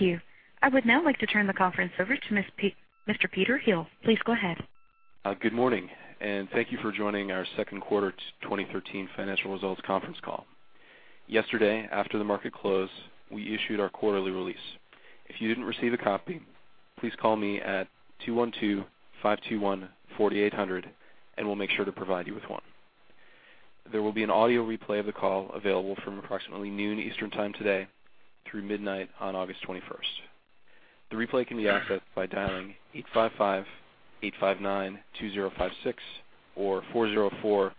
Thank you. I would now like to turn the conference over to Mr. Peter Hill. Please go ahead. Good morning. Thank you for joining our second quarter 2013 financial results conference call. Yesterday, after the market closed, we issued our quarterly release. If you didn't receive a copy, please call me at 212-521-4800 and we'll make sure to provide you with one. There will be an audio replay of the call available from approximately noon Eastern Time today through midnight on August 21st. The replay can be accessed by dialing 855-859-2056 or 404-537-3406.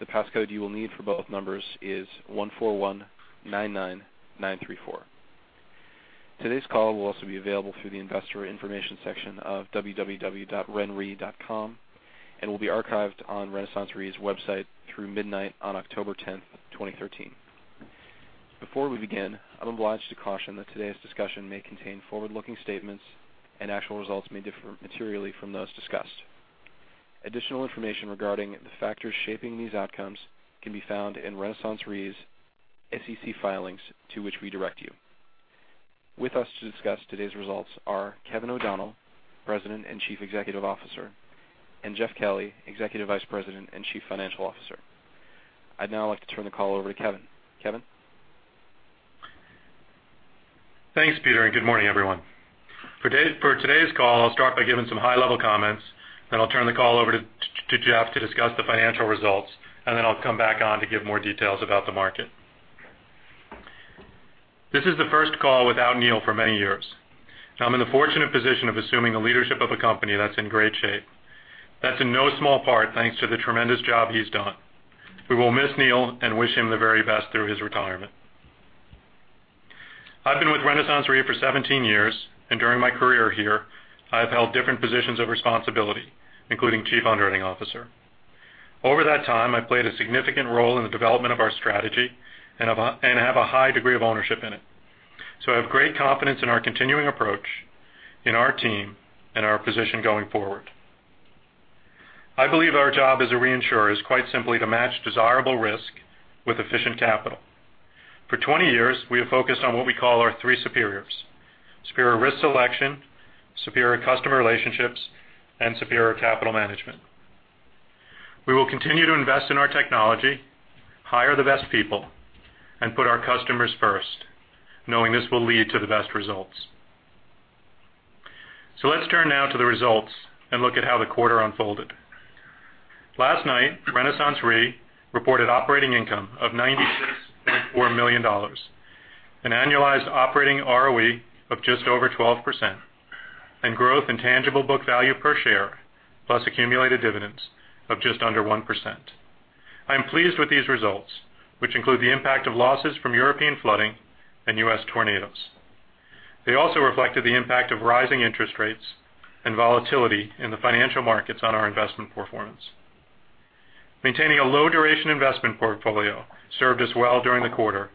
The pass code you will need for both numbers is 14199934. Today's call will also be available through the investor information section of www.renre.com and will be archived on RenaissanceRe's website through midnight on October 10th, 2013. Before we begin, I'm obliged to caution that today's discussion may contain forward-looking statements and actual results may differ materially from those discussed. Additional information regarding the factors shaping these outcomes can be found in RenaissanceRe's SEC filings to which we direct you. With us to discuss today's results are Kevin O'Donnell, President and Chief Executive Officer, and Jeff Kelly, Executive Vice President and Chief Financial Officer. I'd now like to turn the call over to Kevin. Kevin? Thanks, Peter. Good morning, everyone. For today's call, I'll start by giving some high-level comments. I'll turn the call over to Jeff to discuss the financial results, I'll come back on to give more details about the market. This is the first call without Neil for many years. I'm in the fortunate position of assuming the leadership of a company that's in great shape. That's in no small part thanks to the tremendous job he's done. We will miss Neil and wish him the very best through his retirement. I've been with RenaissanceRe for 17 years, and during my career here, I have held different positions of responsibility, including Chief Underwriting Officer. Over that time, I played a significant role in the development of our strategy and have a high degree of ownership in it. I have great confidence in our continuing approach, in our team, and our position going forward. I believe our job as a reinsurer is quite simply to match desirable risk with efficient capital. For 20 years, we have focused on what we call our three superiors: superior risk selection, superior customer relationships, and superior capital management. We will continue to invest in our technology, hire the best people, and put our customers first, knowing this will lead to the best results. Let's turn now to the results and look at how the quarter unfolded. Last night, RenaissanceRe reported operating income of $96.4 million, an annualized operating ROE of just over 12%, and growth in tangible book value per share, plus accumulated dividends of just under 1%. I am pleased with these results, which include the impact of losses from European flooding and U.S. tornadoes. They also reflected the impact of rising interest rates and volatility in the financial markets on our investment performance. Maintaining a low-duration investment portfolio served us well during the quarter,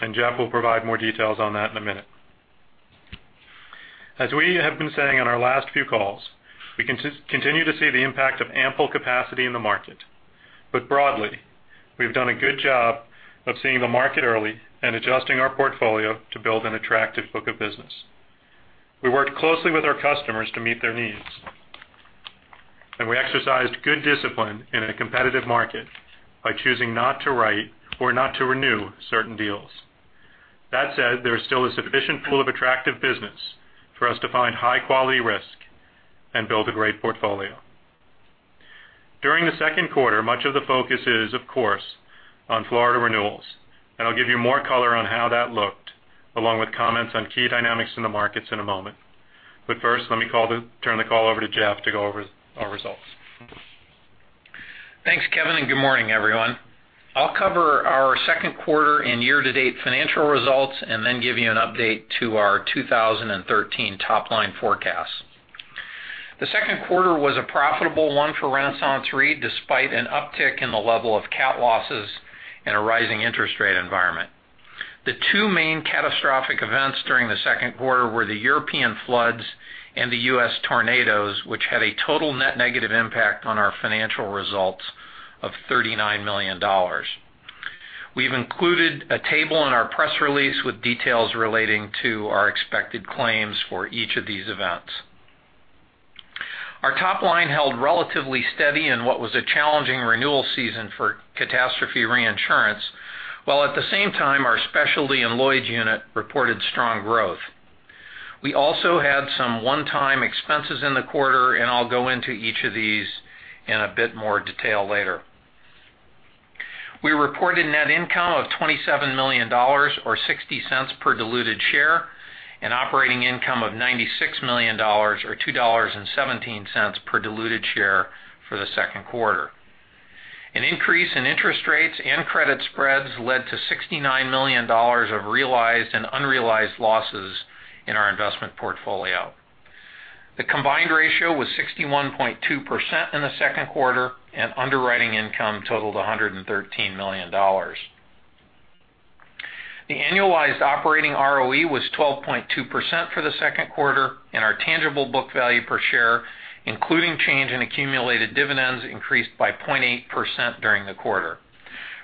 and Jeff will provide more details on that in a minute. As we have been saying in our last few calls, we continue to see the impact of ample capacity in the market. Broadly, we've done a good job of seeing the market early and adjusting our portfolio to build an attractive book of business. We worked closely with our customers to meet their needs, and we exercised good discipline in a competitive market by choosing not to write or not to renew certain deals. That said, there is still a sufficient pool of attractive business for us to find high-quality risk and build a great portfolio. During the second quarter much of the focus is, of course, on Florida renewals, and I'll give you more color on how that looked, along with comments on key dynamics in the markets in a moment. First, let me turn the call over to Jeff to go over our results. Thanks, Kevin, and good morning, everyone. I'll cover our second quarter and year-to-date financial results and then give you an update to our 2013 top-line forecast. The second quarter was a profitable one for RenaissanceRe, despite an uptick in the level of cat losses and a rising interest rate environment. The two main catastrophic events during the second quarter were the European floods and the U.S. tornadoes, which had a total net negative impact on our financial results of $39 million. We've included a table in our press release with details relating to our expected claims for each of these events. Our top line held relatively steady in what was a challenging renewal season for catastrophe reinsurance, while at the same time our specialty and Lloyd's unit reported strong growth. I'll go into each of these in a bit more detail later. We reported net income of $27 million or $0.60 per diluted share and operating income of $96 million or $2.17 per diluted share for the second quarter. An increase in interest rates and credit spreads led to $69 million of realized and unrealized losses in our investment portfolio. The combined ratio was 61.2% in the second quarter. Underwriting income totaled $113 million. The annualized operating ROE was 12.2% for the second quarter. Our tangible book value per share, including change in accumulated dividends, increased by 0.8% during the quarter.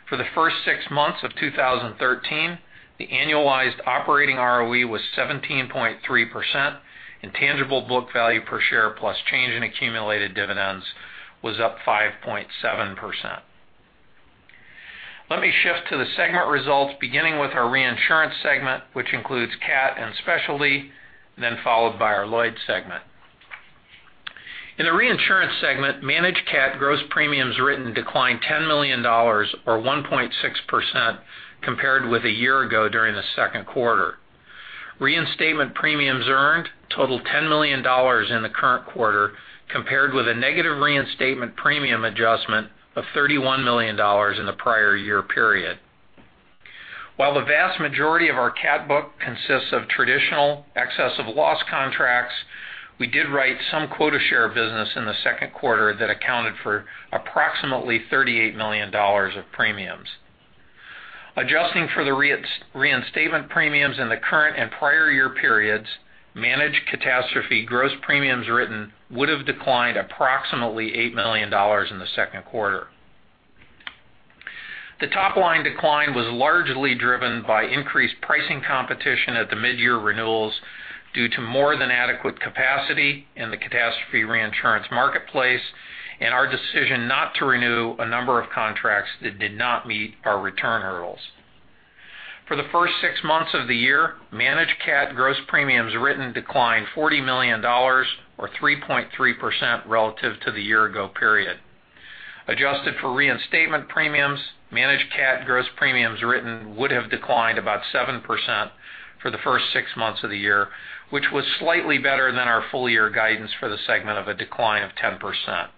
For the first six months of 2013, the annualized operating ROE was 17.3%. Tangible book value per share plus change in accumulated dividends was up 5.7%. Let me shift to the segment results, beginning with our reinsurance segment, which includes cat and specialty, then followed by our Lloyd's segment. In the reinsurance segment, managed cat gross premiums written declined $10 million or 1.6% compared with a year ago during the second quarter. Reinstatement premiums earned totaled $10 million in the current quarter, compared with a negative reinstatement premium adjustment of $31 million in the prior year period. While the vast majority of our cat book consists of traditional excess of loss contracts, we did write some quota share business in the second quarter that accounted for approximately $38 million of premiums. Adjusting for the reinstatement premiums in the current and prior year periods, managed catastrophe gross premiums written would have declined approximately $8 million in the second quarter. The top-line decline was largely driven by increased pricing competition at the midyear renewals due to more than adequate capacity in the catastrophe reinsurance marketplace and our decision not to renew a number of contracts that did not meet our return hurdles. For the first six months of the year, managed cat gross premiums written declined $40 million or 3.3% relative to the year ago period. Adjusted for reinstatement premiums, managed cat gross premiums written would have declined about 7% for the first six months of the year, which was slightly better than our full year guidance for the segment of a decline of 10%.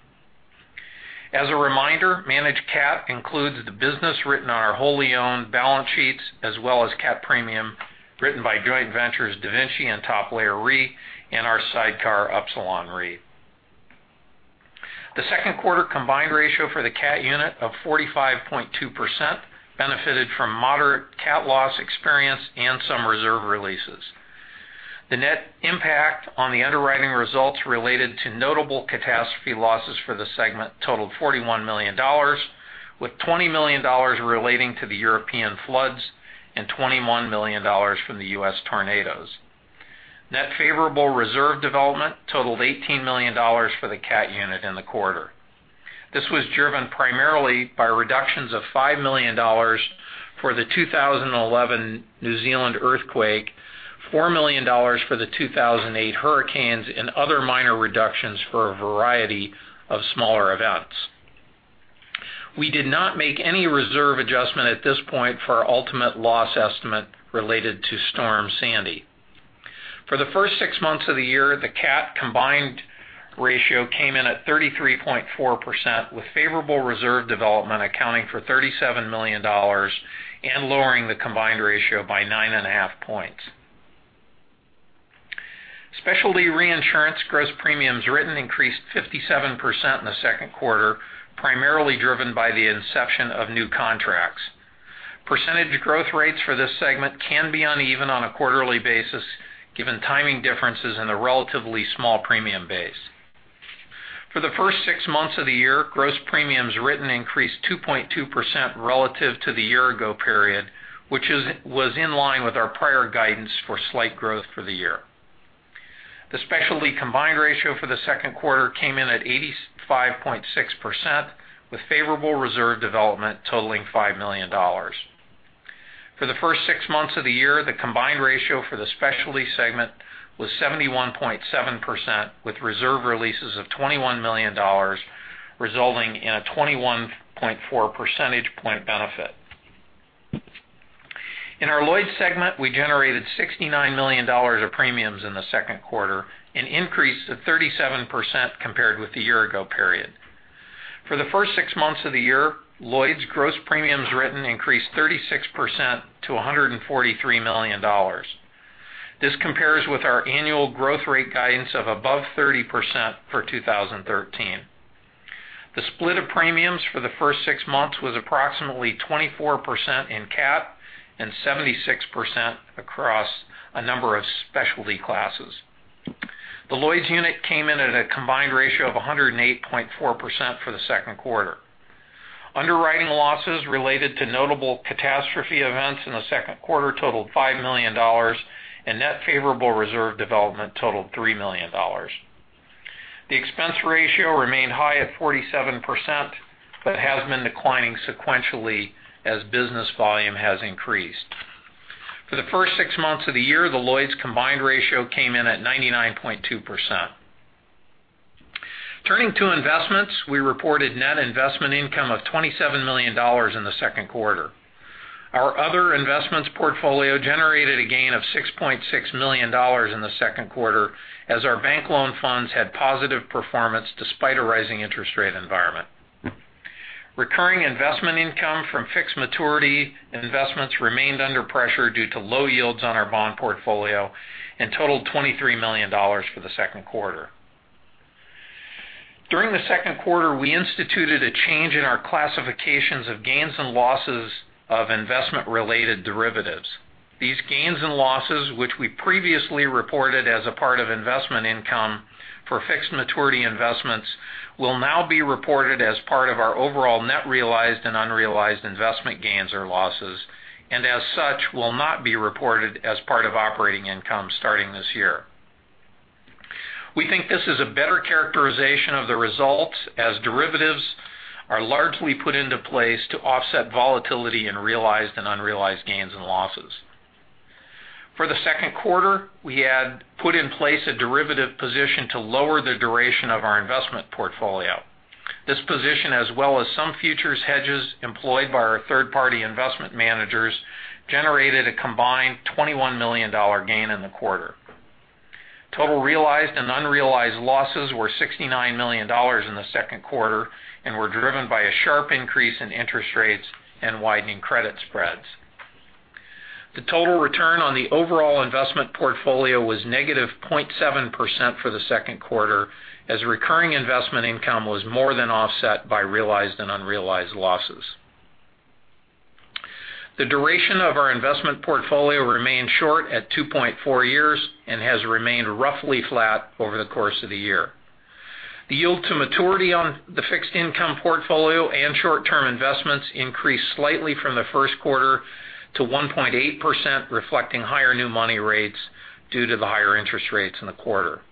As a reminder, managed cat includes the business written on our wholly owned balance sheets as well as cat premium written by joint ventures DaVinci and Top Layer Re and our sidecar Upsilon Re. The second quarter combined ratio for the cat unit of 45.2% benefited from moderate cat loss experience and some reserve releases. The net impact on the underwriting results related to notable catastrophe losses for the segment totaled $41 million, with $20 million relating to the European floods and $21 million from the U.S. tornadoes. Net favorable reserve development totaled $18 million for the cat unit in the quarter. This was driven primarily by reductions of $5 million for the 2011 New Zealand earthquake, $4 million for the 2008 hurricanes, and other minor reductions for a variety of smaller events. We did not make any reserve adjustment at this point for our ultimate loss estimate related to Storm Sandy. For the first six months of the year, the cat combined ratio came in at 33.4%, with favorable reserve development accounting for $37 million and lowering the combined ratio by nine and a half points. Specialty reinsurance gross premiums written increased 57% in the second quarter, primarily driven by the inception of new contracts. Percentage growth rates for this segment can be uneven on a quarterly basis given timing differences in the relatively small premium base. For the first six months of the year, gross premiums written increased 2.2% relative to the year-ago period, which was in line with our prior guidance for slight growth for the year. The specialty combined ratio for the second quarter came in at 85.6%, with favorable reserve development totaling $5 million. For the first six months of the year, the combined ratio for the specialty segment was 71.7%, with reserve releases of $21 million, resulting in a 21.4 percentage point benefit. In our Lloyd's segment, we generated $69 million of premiums in the second quarter, an increase of 37% compared with the year-ago period. For the first six months of the year, Lloyd's gross premiums written increased 36% to $143 million. This compares with our annual growth rate guidance of above 30% for 2013. The split of premiums for the first six months was approximately 24% in cat and 76% across a number of specialty classes. The Lloyd's unit came in at a combined ratio of 108.4% for the second quarter. Underwriting losses related to notable catastrophe events in the second quarter totaled $5 million, and net favorable reserve development totaled $3 million. The expense ratio remained high at 47%, but has been declining sequentially as business volume has increased. For the first six months of the year, the Lloyd's combined ratio came in at 99.2%. Turning to investments. We reported net investment income of $27 million in the second quarter. Our other investments portfolio generated a gain of $6.6 million in the second quarter as our bank loan funds had positive performance despite a rising interest rate environment. Recurring investment income from fixed maturity investments remained under pressure due to low yields on our bond portfolio and totaled $23 million for the second quarter. During the second quarter, we instituted a change in our classifications of gains and losses of investment-related derivatives. These gains and losses, which we previously reported as a part of investment income for fixed maturity investments, will now be reported as part of our overall net realized and unrealized investment gains or losses. As such, will not be reported as part of operating income starting this year. We think this is a better characterization of the results, as derivatives are largely put into place to offset volatility in realized and unrealized gains and losses. For the second quarter, we had put in place a derivative position to lower the duration of our investment portfolio. This position, as well as some futures hedges employed by our third-party investment managers, generated a combined $21 million gain in the quarter. Total realized and unrealized losses were $69 million in the second quarter and were driven by a sharp increase in interest rates and widening credit spreads. The total return on the overall investment portfolio was -0.7% for the second quarter, as recurring investment income was more than offset by realized and unrealized losses. The duration of our investment portfolio remained short at 2.4 years and has remained roughly flat over the course of the year. The yield to maturity on the fixed income portfolio and short-term investments increased slightly from the first quarter to 1.8%, reflecting higher new money rates due to the higher interest rates in the quarter.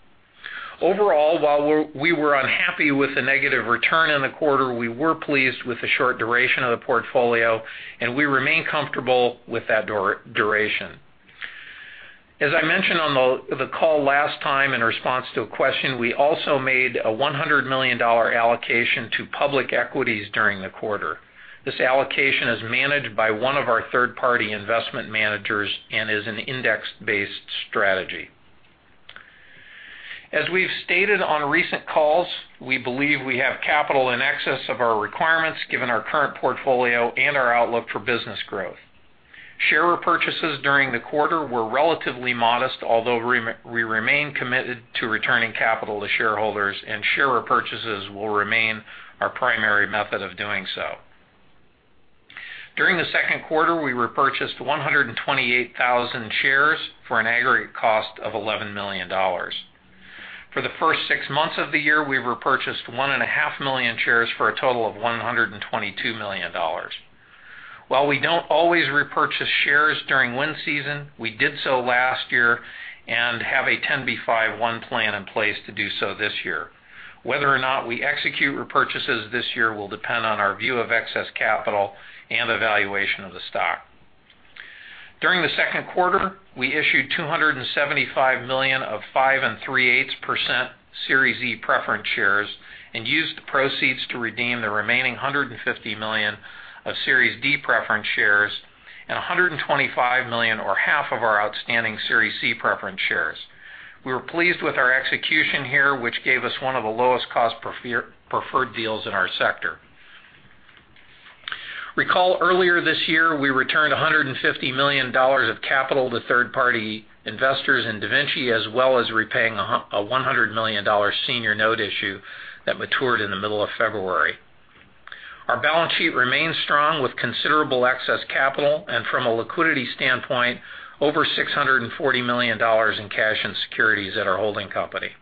Overall, while we were unhappy with the negative return in the quarter, we were pleased with the short duration of the portfolio, and we remain comfortable with that duration. As I mentioned on the call last time in response to a question, we also made a $100 million allocation to public equities during the quarter. This allocation is managed by one of our third-party investment managers and is an index-based strategy. As we've stated on recent calls, we believe we have capital in excess of our requirements, given our current portfolio and our outlook for business growth. Share repurchases during the quarter were relatively modest, although we remain committed to returning capital to shareholders, and share repurchases will remain our primary method of doing so. During the second quarter, we repurchased 128,000 shares for an aggregate cost of $11 million. For the first six months of the year, we've repurchased 1.5 million shares for a total of $122 million. While we don't always repurchase shares during wind season, we did so last year and have a 10b5-1 plan in place to do so this year. Whether or not we execute repurchases this year will depend on our view of excess capital and the valuation of the stock. During the second quarter, we issued $275 million of 5.375% Series E preference shares and used the proceeds to redeem the remaining $150 million of Series D preference shares and $125 million, or half of our outstanding Series C preference shares. We were pleased with our execution here, which gave us one of the lowest cost preferred deals in our sector. Recall earlier this year, we returned $150 million of capital to third-party investors in DaVinci, as well as repaying a $100 million senior note issue that matured in the middle of February. Our balance sheet remains strong with considerable excess capital, and from a liquidity standpoint, over $640 million in cash and securities at our holding company.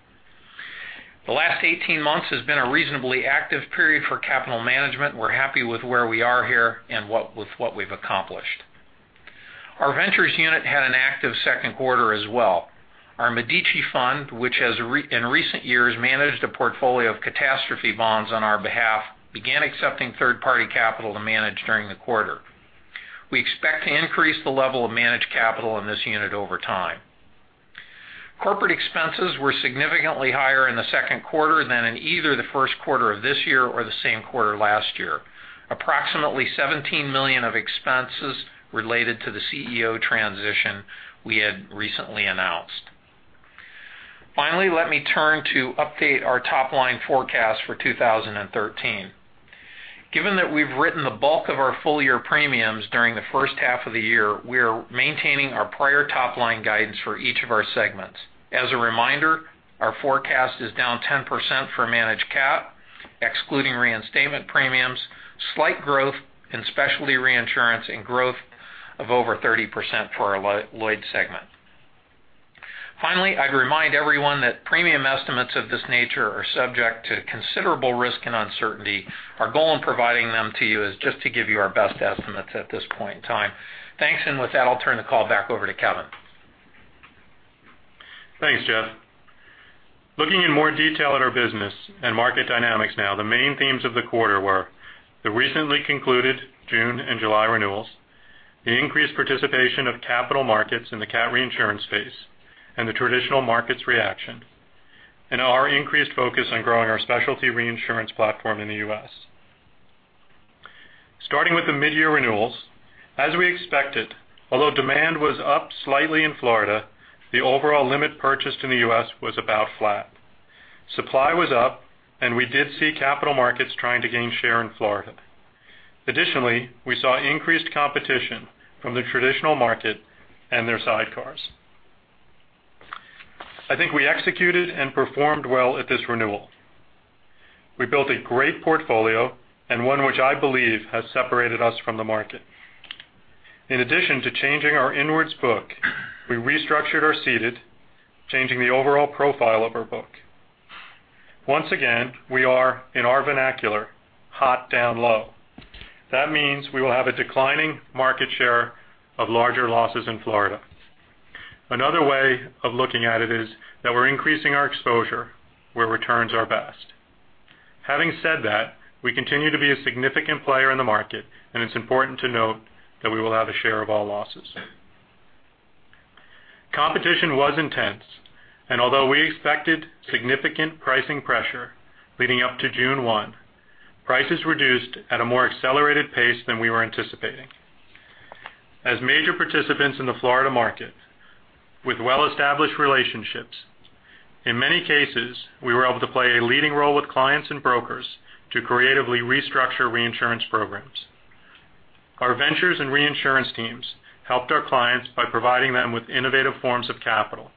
The last 18 months has been a reasonably active period for capital management. We're happy with where we are here and with what we've accomplished. Our ventures unit had an active second quarter as well. Our Medici Fund, which has in recent years managed a portfolio of catastrophe bonds on our behalf, began accepting third-party capital to manage during the quarter. We expect to increase the level of managed capital in this unit over time. Corporate expenses were significantly higher in the second quarter than in either the first quarter of this year or the same quarter last year. Approximately $17 million of expenses related to the CEO transition we had recently announced. Finally, let me turn to update our top-line forecast for 2013. Given that we've written the bulk of our full-year premiums during the first half of the year, we are maintaining our prior top-line guidance for each of our segments. As a reminder, our forecast is down 10% for Managed Cat, excluding reinstatement premiums, slight growth in Specialty Reinsurance, and growth of over 30% for our Lloyd's segment. Finally, I'd remind everyone that premium estimates of this nature are subject to considerable risk and uncertainty. Our goal in providing them to you is just to give you our best estimates at this point in time. Thanks, and with that, I'll turn the call back over to Kevin. Thanks, Jeff. Looking in more detail at our business and market dynamics now, the main themes of the quarter were the recently concluded June and July renewals, the increased participation of capital markets in the cat reinsurance space and the traditional markets reaction, and our increased focus on growing our specialty reinsurance platform in the U.S. Starting with the mid-year renewals, as we expected, although demand was up slightly in Florida, the overall limit purchased in the U.S. was about flat. Supply was up, and we did see capital markets trying to gain share in Florida. Additionally, we saw increased competition from the traditional market and their sidecars. I think we executed and performed well at this renewal. We built a great portfolio and one which I believe has separated us from the market. In addition to changing our inwards book, we restructured our ceded, changing the overall profile of our book. Once again, we are, in our vernacular, hot down low. That means we will have a declining market share of larger losses in Florida. Another way of looking at it is that we're increasing our exposure where returns are best. Having said that, we continue to be a significant player in the market, and it's important to note that we will have a share of all losses. Competition was intense, and although we expected significant pricing pressure leading up to June 1, prices reduced at a more accelerated pace than we were anticipating. As major participants in the Florida market with well-established relationships, in many cases, we were able to play a leading role with clients and brokers to creatively restructure reinsurance programs. Our ventures and reinsurance teams helped our clients by providing them with innovative forms of capital.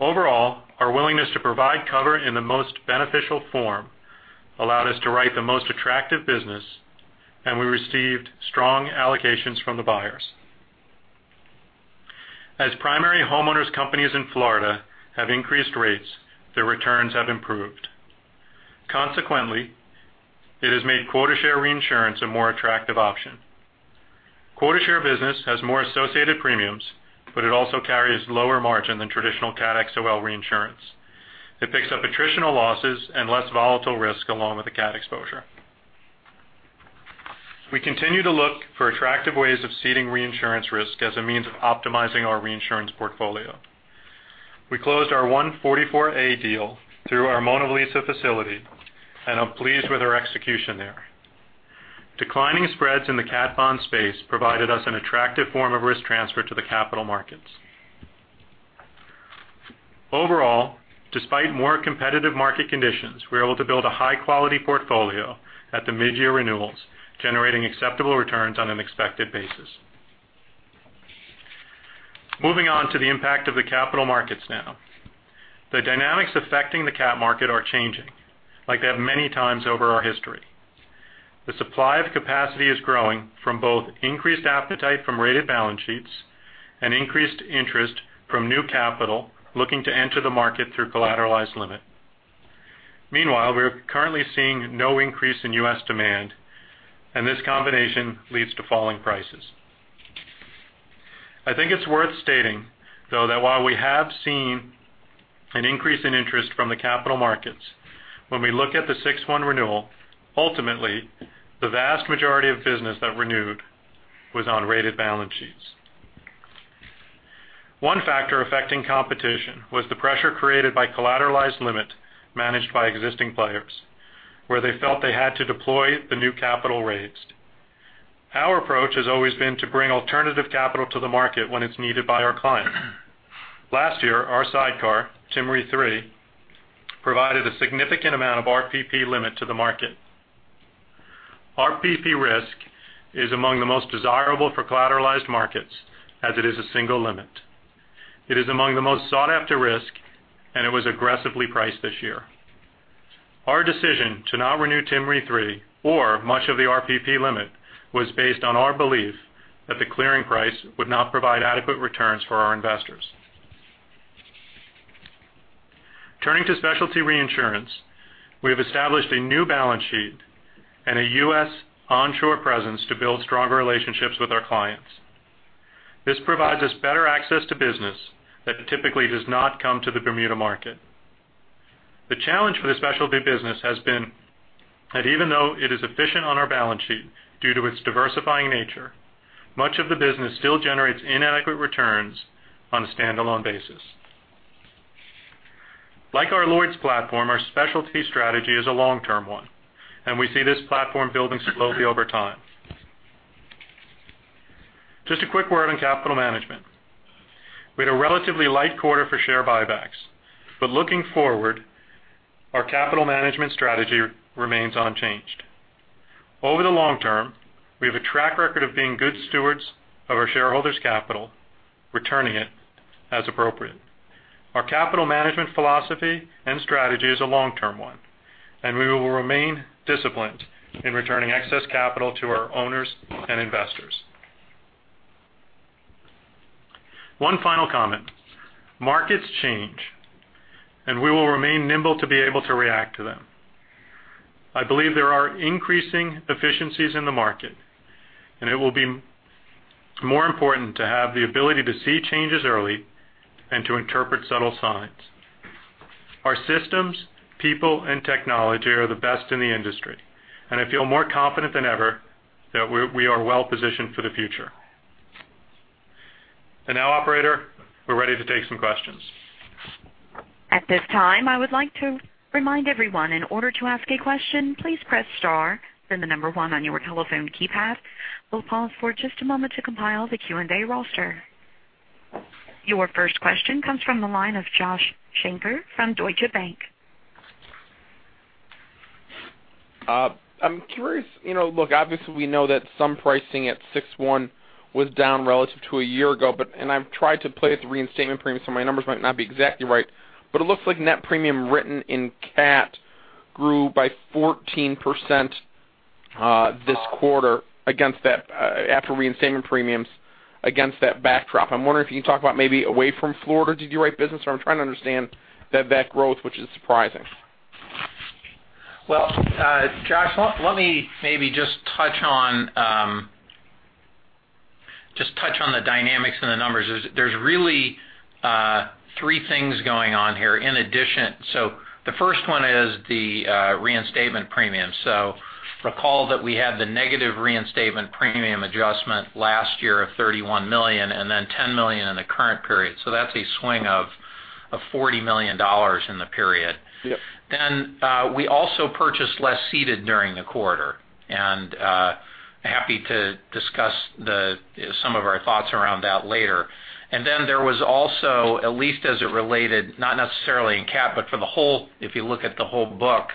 Overall, our willingness to provide cover in the most beneficial form allowed us to write the most attractive business, and we received strong allocations from the buyers. As primary homeowners' companies in Florida have increased rates, their returns have improved. Consequently, it has made quota share reinsurance a more attractive option. Quota share business has more associated premiums, but it also carries lower margin than traditional cat XOL reinsurance. It picks up attritional losses and less volatile risk along with the cat exposure. We continue to look for attractive ways of ceding reinsurance risk as a means of optimizing our reinsurance portfolio. We closed our 144A deal through our Mona Lisa facility, and I'm pleased with our execution there. Declining spreads in the cat bond space provided us an attractive form of risk transfer to the capital markets. Overall, despite more competitive market conditions, we were able to build a high-quality portfolio at the mid-year renewals, generating acceptable returns on an expected basis. Moving on to the impact of the capital markets now. The dynamics affecting the cat market are changing, like they have many times over our history. The supply of capacity is growing from both increased appetite from rated balance sheets and increased interest from new capital looking to enter the market through collateralized limit. Meanwhile, we are currently seeing no increase in U.S. demand, and this combination leads to falling prices. I think it's worth stating, though, that while we have seen an increase in interest from the capital markets, when we look at the 6-1 renewal, ultimately, the vast majority of business that renewed was on rated balance sheets. One factor affecting competition was the pressure created by collateralized limit managed by existing players where they felt they had to deploy the new capital raised. Our approach has always been to bring alternative capital to the market when it's needed by our clients. Last year, our sidecar, Tim Re 3, provided a significant amount of RPP limit to the market. RPP risk is among the most desirable for collateralized markets, as it is a single limit. It is among the most sought-after risk, and it was aggressively priced this year. Our decision to not renew Tim Re 3 or much of the RPP limit was based on our belief that the clearing price would not provide adequate returns for our investors. Turning to specialty reinsurance, we have established a new balance sheet and a U.S. onshore presence to build stronger relationships with our clients. This provides us better access to business that typically does not come to the Bermuda market. The challenge for the specialty business has been that even though it is efficient on our balance sheet due to its diversifying nature, much of the business still generates inadequate returns on a standalone basis. Like our Lloyd's platform, our specialty strategy is a long-term one, and we see this platform building slowly over time. Just a quick word on capital management. Looking forward, our capital management strategy remains unchanged. Over the long term, we have a track record of being good stewards of our shareholders' capital, returning it as appropriate. Our capital management philosophy and strategy is a long-term one, we will remain disciplined in returning excess capital to our owners and investors. One final comment. Markets change, we will remain nimble to be able to react to them. I believe there are increasing efficiencies in the market, it will be more important to have the ability to see changes early and to interpret subtle signs. Our systems, people, and technology are the best in the industry, I feel more confident than ever that we are well-positioned for the future. Now, operator, we're ready to take some questions. At this time, I would like to remind everyone, in order to ask a question, please press star, then the number one on your telephone keypad. We will pause for just a moment to compile the Q&A roster. Your first question comes from the line of Joshua Shanker from Deutsche Bank. I am curious. Look, obviously, we know that some pricing at six one was down relative to a year ago, and I have tried to play with the reinstatement premiums, so my numbers might not be exactly right, but it looks like net premium written in CAT grew by 14% this quarter after reinstatement premiums against that backdrop. I am wondering if you can talk about maybe away from Florida, did you write business? Or I am trying to understand that growth, which is surprising. Well, Josh, let me maybe just touch on the dynamics and the numbers. There is really three things going on here in addition. The first one is the reinstatement premium. Recall that we had the negative reinstatement premium adjustment last year of $31 million, and then $10 million in the current period. That is a swing of $40 million in the period. Yep. We also purchased less ceded during the quarter, and happy to discuss some of our thoughts around that later. There was also, at least as it related, not necessarily in CAT, but if you look at the whole book,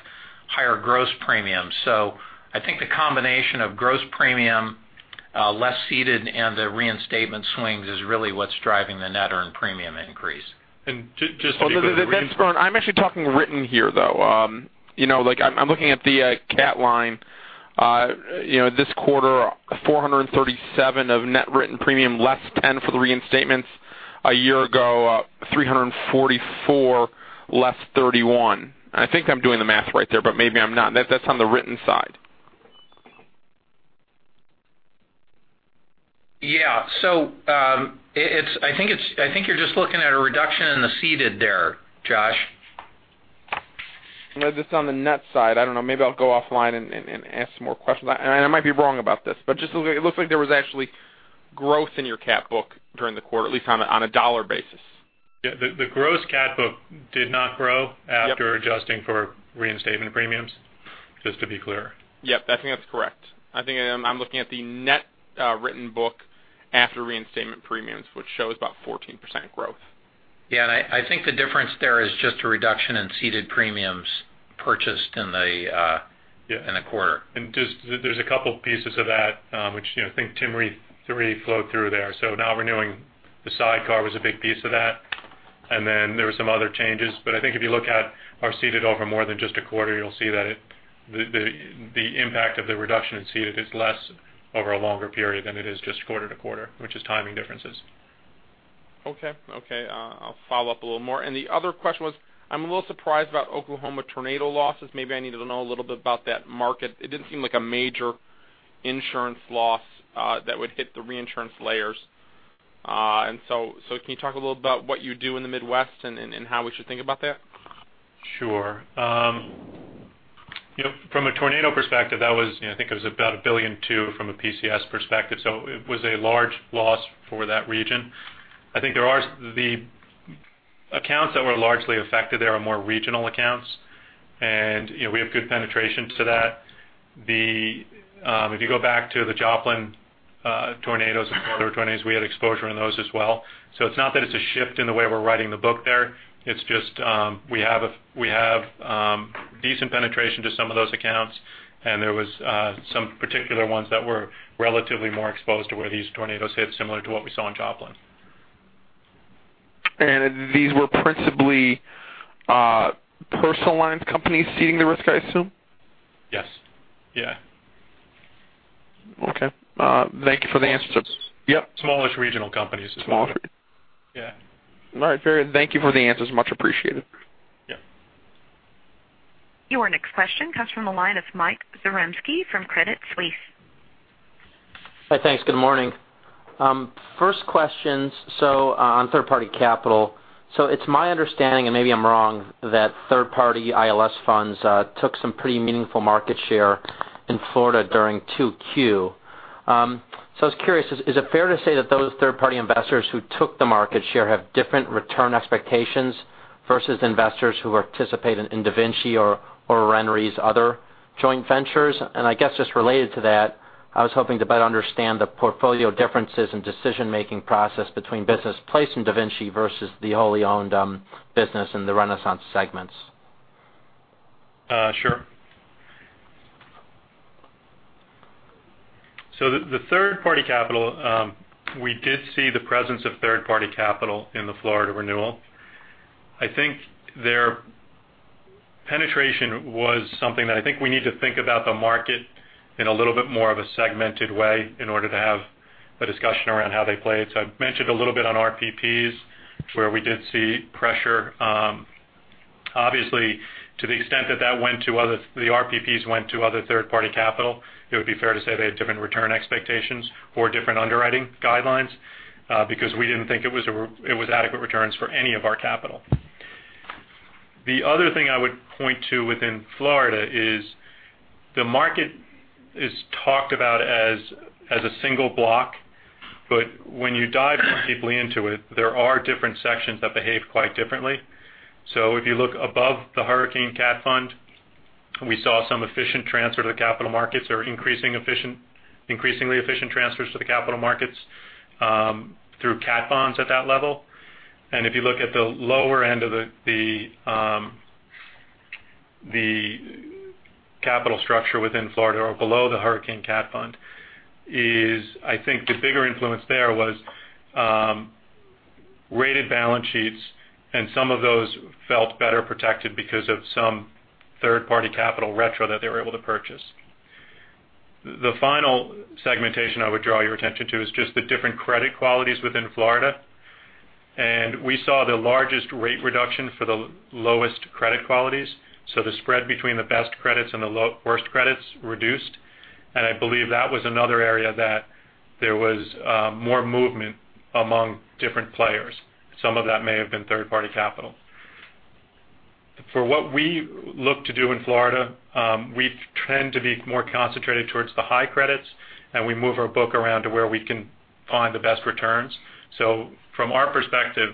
higher gross premium. I think the combination of gross premium, less ceded, and the reinstatement swings is really what is driving the net earned premium increase. Just to be clear. I'm actually talking written here, though. I'm looking at the CAT line. This quarter, $437 of net written premium, less $10 for the reinstatements. A year ago, $344, less $31. I think I'm doing the math right there, but maybe I'm not. That's on the written side. I think you're just looking at a reduction in the ceded there, Josh. Just on the net side. I don't know. Maybe I'll go offline and ask some more questions. I might be wrong about this, but just it looks like there was actually growth in your CAT book during the quarter, at least on a dollar basis. Yeah. The gross CAT book did not grow after adjusting for reinstatement premiums, just to be clear. Yep. I think that's correct. I think I'm looking at the net written book after reinstatement premiums, which shows about 14% growth. Yeah. I think the difference there is just a reduction in ceded premiums purchased in the- Yeah in the quarter. Just there's a couple pieces of that, which I think Tim Re III already flowed through there. Non-renewing the side car was a big piece of that, and then there were some other changes. I think if you look at our ceded over more than just a quarter, you'll see that the impact of the reduction in ceded is less over a longer period than it is just quarter to quarter, which is timing differences. Okay. I'll follow up a little more. The other question was, I'm a little surprised about Oklahoma tornado losses. Maybe I needed to know a little bit about that market. It didn't seem like a major insurance loss that would hit the reinsurance layers. Can you talk a little about what you do in the Midwest and how we should think about that? Sure. From a tornado perspective, I think it was about $1.2 billion from a PCS perspective. It was a large loss for that region. I think the accounts that were largely affected there are more regional accounts, and we have good penetration to that. If you go back to the Joplin tornadoes and other tornadoes, we had exposure in those as well. It's not that it's a shift in the way we're writing the book there. It's just we have decent penetration to some of those accounts, and there was some particular ones that were relatively more exposed to where these tornadoes hit, similar to what we saw in Joplin. These were principally personal lines companies ceding the risk, I assume? Yes. Yeah. Okay. Thank you for the answers. Yep. Smallish regional companies as well. Small. Yeah. All right, fair. Thank you for the answers. Much appreciated. Yeah. Your next question comes from the line of Michael Zaremski from Credit Suisse. Hi, thanks. Good morning. On third-party capital. It's my understanding, and maybe I'm wrong, that third-party ILS funds took some pretty meaningful market share in Florida during 2Q. I was curious, is it fair to say that those third-party investors who took the market share have different return expectations versus investors who participate in DaVinciRe or RenRe's other joint ventures? And I guess just related to that, I was hoping to better understand the portfolio differences and decision-making process between business placed in DaVinciRe versus the wholly owned business in the Renaissance segments. Sure. The third-party capital, we did see the presence of third-party capital in the Florida renewal. I think their penetration was something that I think we need to think about the market in a little bit more of a segmented way in order to have a discussion around how they play it. I've mentioned a little bit on RPPs, where we did see pressure. Obviously, to the extent that the RPPs went to other third-party capital, it would be fair to say they had different return expectations or different underwriting guidelines because we didn't think it was adequate returns for any of our capital. The other thing I would point to within Florida is the market is talked about as a single block, but when you dive more deeply into it, there are different sections that behave quite differently. If you look above the Hurricane Catastrophe Fund, we saw some efficient transfer to the capital markets or increasingly efficient transfers to the capital markets through cat bonds at that level. If you look at the lower end of the capital structure within Florida or below the Hurricane Catastrophe Fund is, I think the bigger influence there was rated balance sheets, and some of those felt better protected because of some third-party capital retrocession that they were able to purchase. The final segmentation I would draw your attention to is just the different credit qualities within Florida. We saw the largest rate reduction for the lowest credit qualities. The spread between the best credits and the worst credits reduced. I believe that was another area that there was more movement among different players. Some of that may have been third-party capital. For what we look to do in Florida, we tend to be more concentrated towards the high credits, and we move our book around to where we can find the best returns. From our perspective,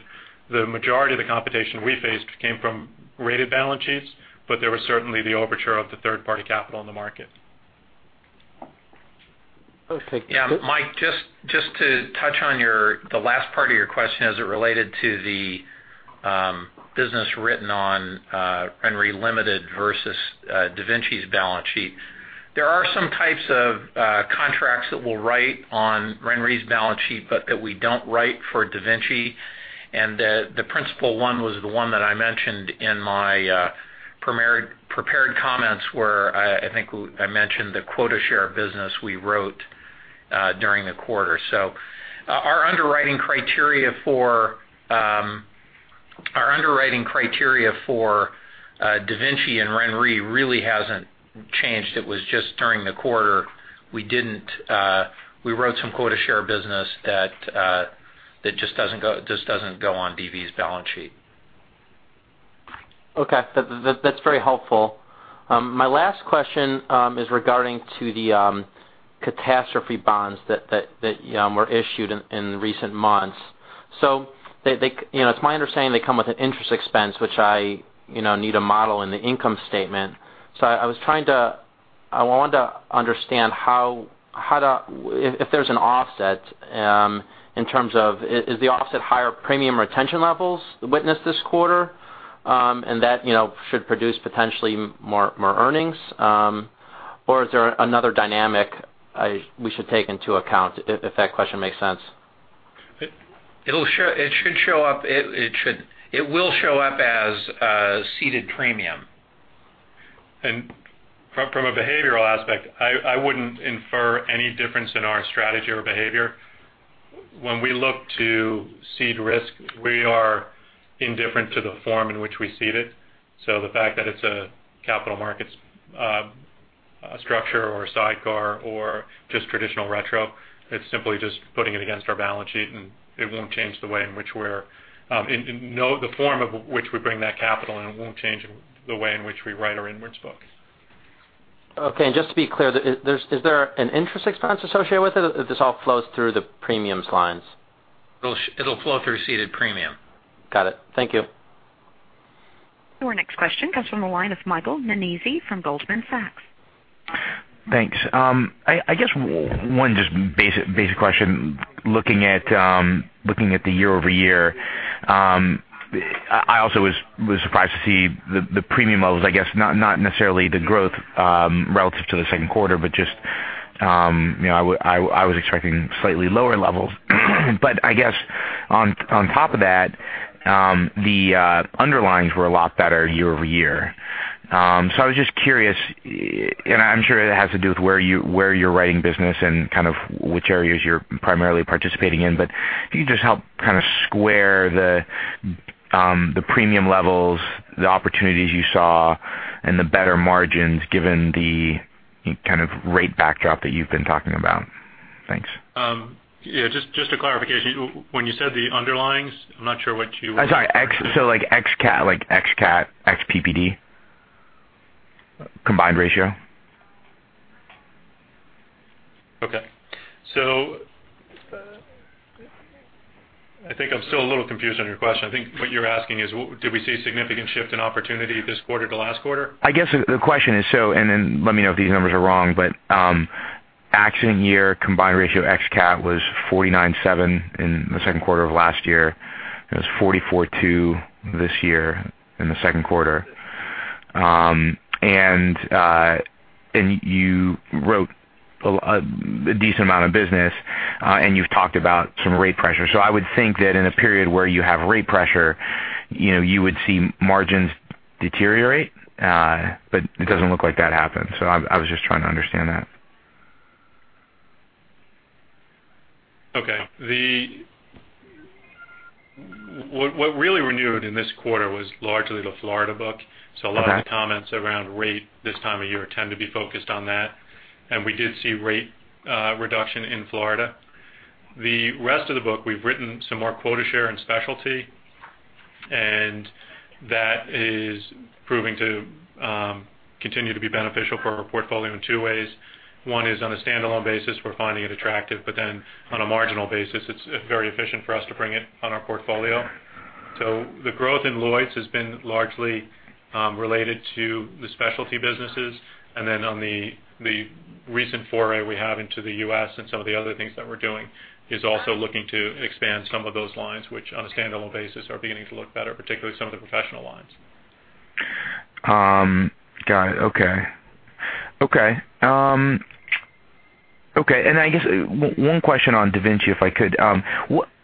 the majority of the competition we faced came from rated balance sheets, but there was certainly the overture of the third-party capital in the market. Okay. Mike, just to touch on the last part of your question as it related to the business written on RenRe Limited versus DaVinci's balance sheet. There are some types of contracts that we'll write on RenRe's balance sheet, but that we don't write for DaVinci, and the principal one was the one that I mentioned in my prepared comments, where I think I mentioned the quota share of business we wrote during the quarter. Our underwriting criteria for DaVinci and RenRe really hasn't changed. It was just during the quarter, we wrote some quota share business that just doesn't go on DV's balance sheet. Okay. That's very helpful. My last question is regarding to the catastrophe bonds that were issued in recent months. It's my understanding they come with an interest expense, which I need to model in the income statement. I want to understand if there's an offset in terms of, is the offset higher premium retention levels witnessed this quarter, and that should produce potentially more earnings? Is there another dynamic we should take into account? If that question makes sense. It will show up as ceded premium. From a behavioral aspect, I wouldn't infer any difference in our strategy or behavior. When we look to cede risk, we are indifferent to the form in which we cede it. The fact that it's a capital markets structure or a sidecar or just traditional retrocession, it's simply just putting it against our balance sheet, and it won't change the form of which we bring that capital in. It won't change the way in which we write our inwards book. Okay, just to be clear, is there an interest expense associated with it, or this all flows through the premiums lines? It'll flow through ceded premium. Got it. Thank you. Our next question comes from the line of Michael Nannizzi from Goldman Sachs. Thanks. I guess one just basic question, looking at the year-over-year, I also was surprised to see the premium levels, I guess not necessarily the growth relative to the second quarter, just I was expecting slightly lower levels. I guess on top of that, the underlyings were a lot better year-over-year. I was just curious, I'm sure it has to do with where you're writing business and kind of which areas you're primarily participating in. Can you just help kind of square the premium levels, the opportunities you saw, and the better margins given the kind of rate backdrop that you've been talking about? Thanks. Yeah, just a clarification. When you said the underlyings, I'm not sure. I'm sorry. like ex cat, ex PPD combined ratio. Okay. I think I'm still a little confused on your question. I think what you're asking is, did we see a significant shift in opportunity this quarter to last quarter? I guess the question is, let me know if these numbers are wrong, accident year combined ratio ex cat was 49.7% in the second quarter of last year. It was 44.2% this year in the second quarter. You wrote a decent amount of business, and you've talked about some rate pressure. I would think that in a period where you have rate pressure, you would see margins deteriorate, it doesn't look like that happened. I was just trying to understand that. Okay. What really renewed in this quarter was largely the Florida book. Okay. A lot of the comments around rate this time of year tend to be focused on that. We did see rate reduction in Florida. The rest of the book, we've written some more quota share and specialty, that is proving to continue to be beneficial for our portfolio in two ways. One is on a standalone basis, we're finding it attractive, on a marginal basis, it's very efficient for us to bring it on our portfolio. The growth in Lloyd's has been largely related to the specialty businesses. On the recent foray we have into the U.S. and some of the other things that we're doing is also looking to expand some of those lines, which on a standalone basis, are beginning to look better, particularly some of the professional lines. Got it. Okay. I guess one question on DaVinci, if I could.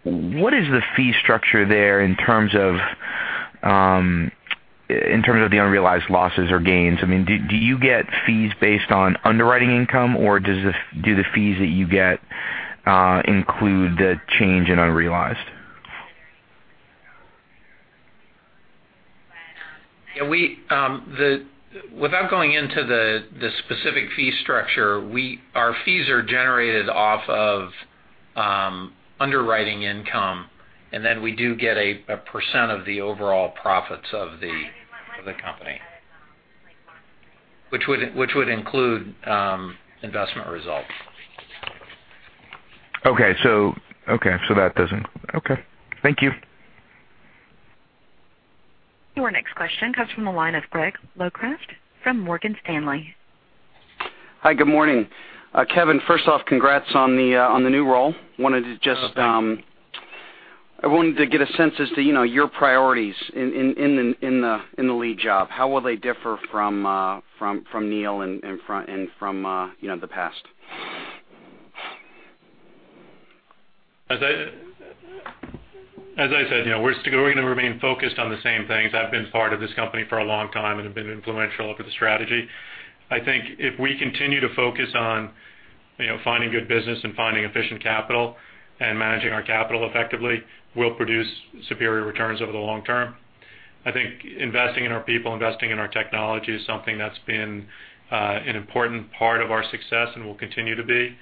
What is the fee structure there in terms of the unrealized losses or gains? I mean, do you get fees based on underwriting income, or do the fees that you get include the change in unrealized? Without going into the specific fee structure, our fees are generated off of underwriting income, we do get a % of the overall profits of the company, which would include investment results. Okay. Thank you. Your next question comes from the line of Greg Locraft from Morgan Stanley. Hi, good morning. Kevin, first off, congrats on the new role. Oh, thank you. I wanted to get a sense as to your priorities in the lead job. How will they differ from Neil and from the past? As I said, we're going to remain focused on the same things. I've been part of this company for a long time and have been influential over the strategy. I think if we continue to focus on finding good business and finding efficient capital and managing our capital effectively, we'll produce superior returns over the long term. I think investing in our people, investing in our technology is something that's been an important part of our success and will continue to be.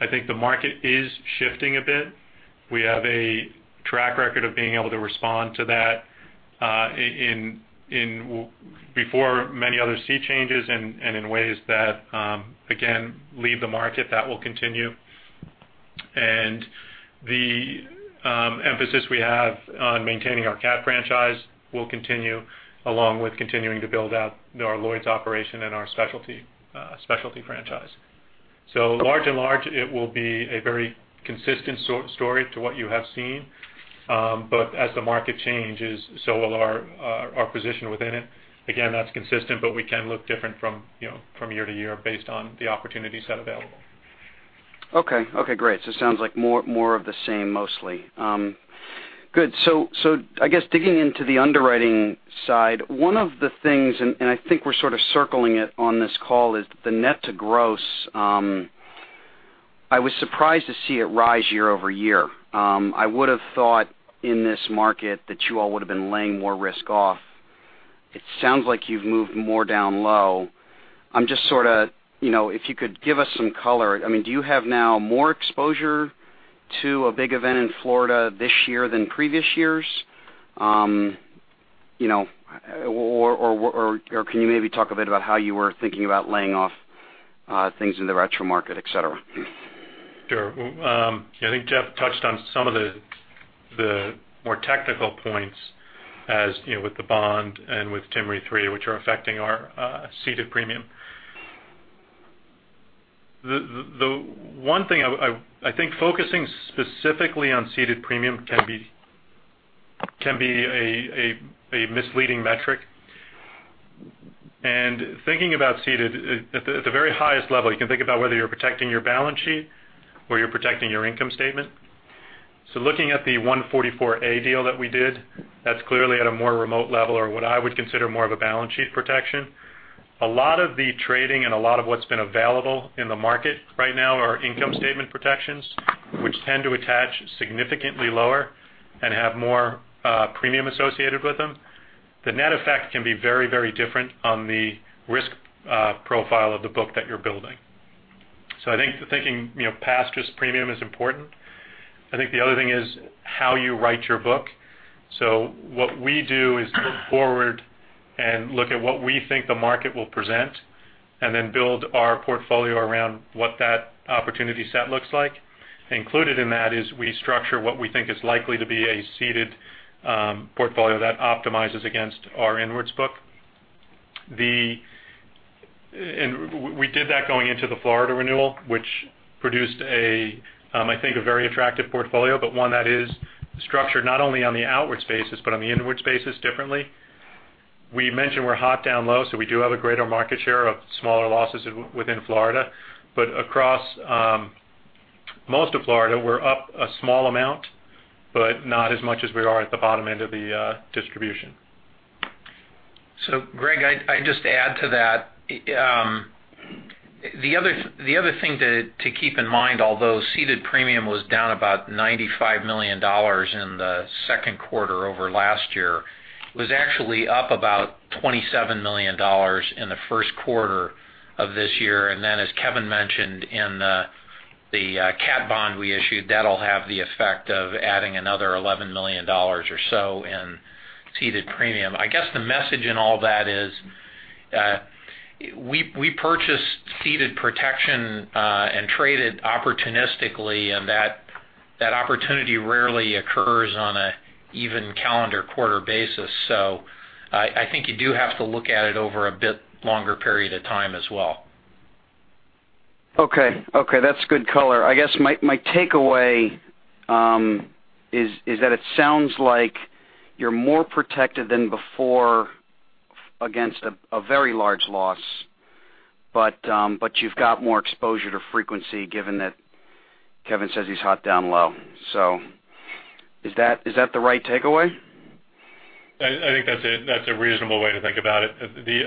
I think the market is shifting a bit. We have a track record of being able to respond to that before many other sea changes and in ways that, again, lead the market. That will continue. The emphasis we have on maintaining our cat franchise will continue, along with continuing to build out our Lloyd's operation and our specialty franchise. Large and large, it will be a very consistent story to what you have seen. As the market changes, so will our position within it. Again, that's consistent, but we can look different from year to year based on the opportunity set available. Okay, great. It sounds like more of the same mostly. Good. I guess digging into the underwriting side, one of the things, and I think we're sort of circling it on this call, is the net to gross. I was surprised to see it rise year-over-year. I would have thought in this market that you all would have been laying more risk off. It sounds like you've moved more down low. If you could give us some color, I mean, do you have now more exposure to a big event in Florida this year than previous years? Or can you maybe talk a bit about how you were thinking about laying off things in the retrocession market, et cetera? Sure. I think Jeff touched on some of the more technical points as with the bond and Tim Re III, which are affecting our ceded premium. The one thing, I think focusing specifically on ceded premium can be a misleading metric. Thinking about ceded at the very highest level, you can think about whether you're protecting your balance sheet or you're protecting your income statement. Looking at the 144A deal that we did, that's clearly at a more remote level or what I would consider more of a balance sheet protection. A lot of the trading and a lot of what's been available in the market right now are income statement protections, which tend to attach significantly lower and have more premium associated with them. The net effect can be very different on the risk profile of the book that you're building. I think thinking past just premium is important. I think the other thing is how you write your book. What we do is look forward and look at what we think the market will present, and then build our portfolio around what that opportunity set looks like. Included in that is we structure what we think is likely to be a ceded portfolio that optimizes against our inwards book. We did that going into the Florida renewal, which produced a, I think, a very attractive portfolio, but one that is structured not only on the outwards basis, but on the inwards basis differently. We mentioned we're hot down low, we do have a greater market share of smaller losses within Florida. Across most of Florida, we're up a small amount, but not as much as we are at the bottom end of the distribution. Greg, I just add to that. The other thing to keep in mind, although ceded premium was down about $95 million in the second quarter over last year, was actually up about $27 million in the first quarter of this year. As Kevin mentioned, in the cat bond we issued, that will have the effect of adding another $11 million or so in ceded premium. I guess the message in all that is we purchase ceded protection and trade it opportunistically, and that opportunity rarely occurs on an even calendar quarter basis. I think you do have to look at it over a bit longer period of time as well. Okay. That's good color. I guess my takeaway is that it sounds like you are more protected than before against a very large loss, but you have got more exposure to frequency given that Kevin says he is hot down low. Is that the right takeaway? I think that is a reasonable way to think about it. Actually,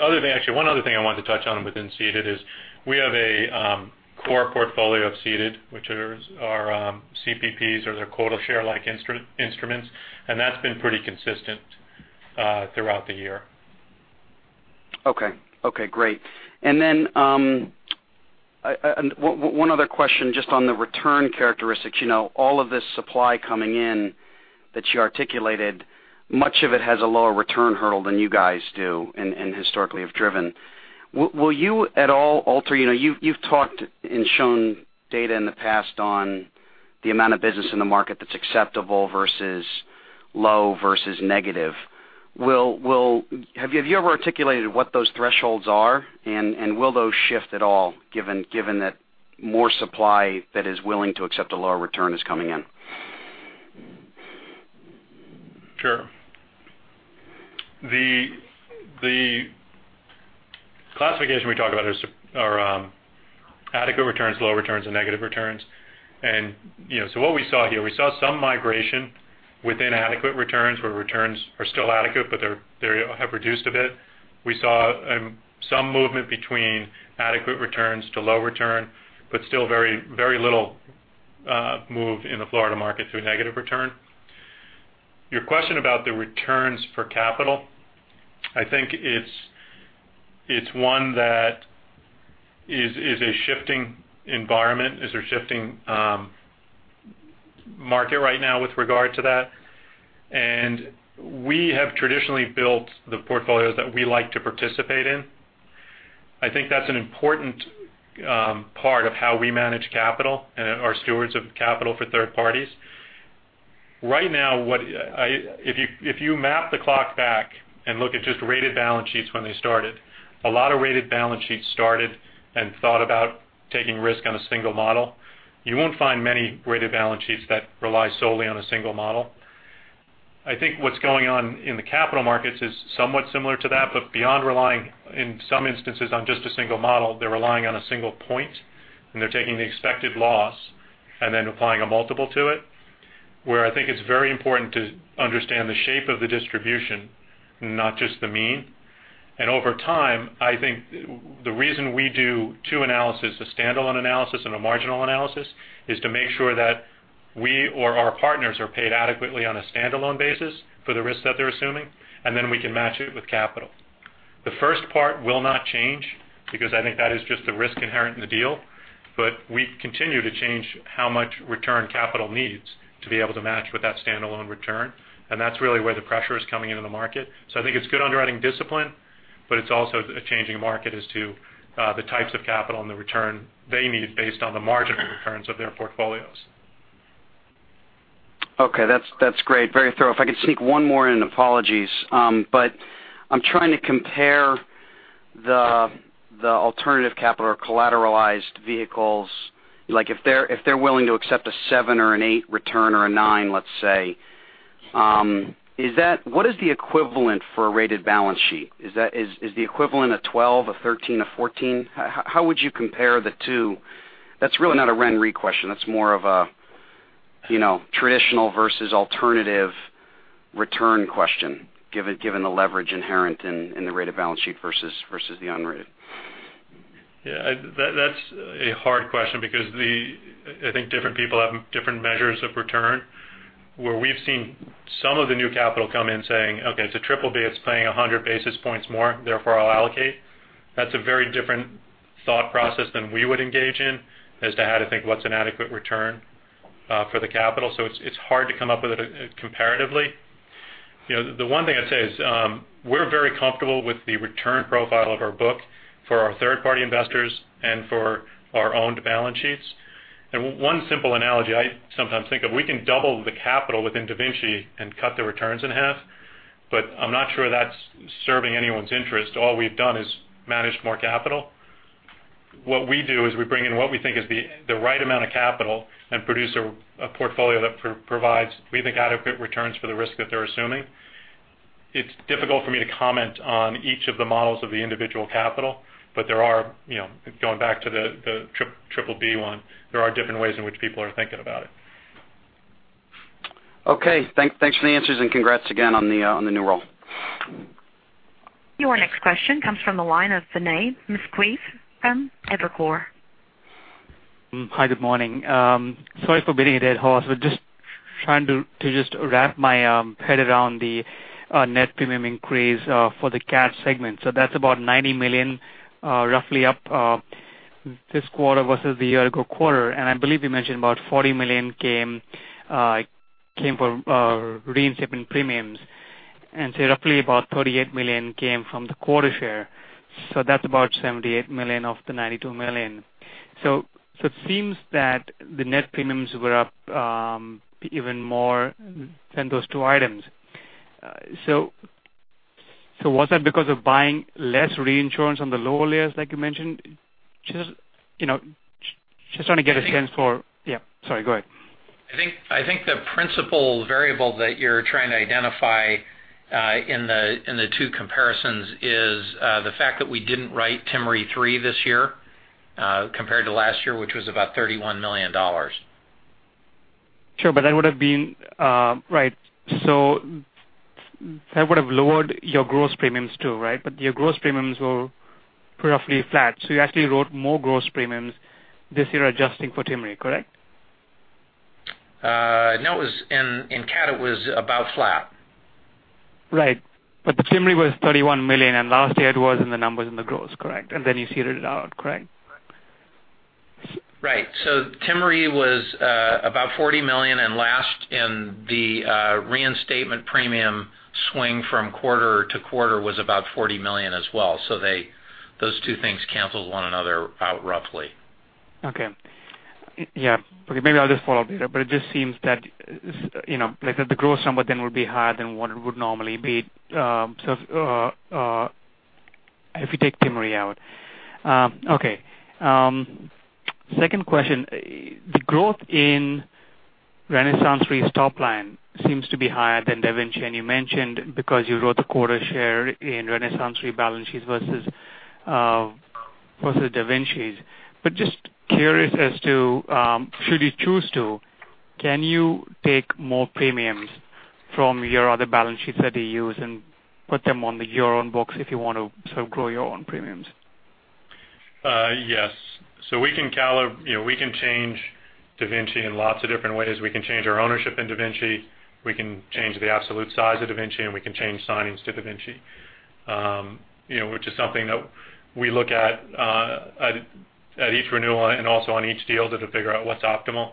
one other thing I wanted to touch on within ceded is we have a core portfolio of ceded, which are our CPPs or their quota share like instruments, and that has been pretty consistent throughout the year. Okay, great. One other question just on the return characteristics. All of this supply coming in that you articulated, much of it has a lower return hurdle than you guys do and historically have driven. Will you at all alter-- You've talked and shown data in the past on the amount of business in the market that's acceptable versus low versus negative. Have you ever articulated what those thresholds are, and will those shift at all given that more supply that is willing to accept a lower return is coming in? Sure. The classification we talk about are adequate returns, low returns, and negative returns. What we saw here, we saw some migration within adequate returns, where returns are still adequate, but they have reduced a bit. We saw some movement between adequate returns to low return, but still very little move in the Florida market to a negative return. Your question about the returns for capital, I think it's one that is a shifting environment, is a shifting market right now with regard to that. We have traditionally built the portfolios that we like to participate in. I think that's an important part of how we manage capital and are stewards of capital for third parties. Right now, if you map the clock back and look at just rated balance sheets when they started, a lot of rated balance sheets started and thought about taking risk on a single model. You won't find many rated balance sheets that rely solely on a single model. I think what's going on in the capital markets is somewhat similar to that. Beyond relying in some instances on just a single model, they're relying on a single point, and they're taking the expected loss and then applying a multiple to it, where I think it's very important to understand the shape of the distribution, not just the mean. Over time, I think the reason we do two analysis, a standalone analysis and a marginal analysis, is to make sure that we or our partners are paid adequately on a standalone basis for the risk that they're assuming, and then we can match it with capital. The first part will not change, because I think that is just the risk inherent in the deal. We continue to change how much return capital needs to be able to match with that standalone return, and that's really where the pressure is coming into the market. I think it's good underwriting discipline, but it's also a changing market as to the types of capital and the return they need based on the marginal returns of their portfolios. Okay. That's great. Very thorough. If I could sneak one more in. Apologies. I'm trying to compare the alternative capital or collateralized vehicles, like if they're willing to accept a seven or an eight return or a nine, let's say. What is the equivalent for a rated balance sheet? Is the equivalent a 12, a 13, a 14? How would you compare the two? That's really not a RenRe question. That's more of a traditional versus alternative return question, given the leverage inherent in the rated balance sheet versus the unrated. Yeah, that's a hard question because I think different people have different measures of return. Where we've seen some of the new capital come in saying, "Okay, it's a triple B, it's paying 100 basis points more, therefore I'll allocate." That's a very different thought process than we would engage in as to how to think what's an adequate return for the capital. It's hard to come up with it comparatively. The one thing I'd say is we're very comfortable with the return profile of our book for our third-party investors and for our own balance sheets. One simple analogy I sometimes think of, we can double the capital within DaVinci and cut the returns in half, but I'm not sure that's serving anyone's interest. All we've done is manage more capital. What we do is we bring in what we think is the right amount of capital and produce a portfolio that provides, we think, adequate returns for the risk that they're assuming. It's difficult for me to comment on each of the models of the individual capital, but going back to the triple B one, there are different ways in which people are thinking about it. Okay. Thanks for the answers and congrats again on the new role. Your next question comes from the line of Vinay Misquith from Evercore. Hi, good morning. Sorry for beating a dead horse. Just trying to just wrap my head around the net premium increase for the CAT segment. That's about $90 million roughly up this quarter versus the year-ago quarter. I believe you mentioned about $40 million came from reinsurance premiums, and say roughly about $38 million came from the quota share. That's about $78 million of the $92 million. Was that because of buying less reinsurance on the lower layers like you mentioned? Just trying to get a sense for Yeah, sorry, go ahead. I think the principal variable that you're trying to identify in the two comparisons is the fact that we didn't write Tim Re III this year compared to last year, which was about $31 million. Sure. That would have been Right. That would have lowered your gross premiums too, right? Your gross premiums were roughly flat. You actually wrote more gross premiums this year adjusting for Timicuan Re, correct? No. In cat, it was about flat. Right. The Tim Re was $31 million, and last year it was in the numbers in the gross, correct? Then you seeded it out, correct? Right. Tim Re was about $40 million, and the reinstatement premium swing from quarter to quarter was about $40 million as well. Those two things canceled one another out roughly. Okay. Yeah. Okay. Maybe I'll just follow up later, it just seems that the gross number then would be higher than what it would normally be, if you take Tim Re out. Okay. Second question, the growth in RenaissanceRe's top line seems to be higher than DaVinci, and you mentioned because you wrote a quarter share in RenaissanceRe balance sheets versus DaVinci's. Just curious as to, should you choose to, can you take more premiums from your other balance sheets that you use and put them on your own books if you want to grow your own premiums? Yes. We can change DaVinci in lots of different ways. We can change our ownership in DaVinci, we can change the absolute size of DaVinci, and we can change signings to DaVinci, which is something that we look at at each renewal and also on each deal just to figure out what's optimal.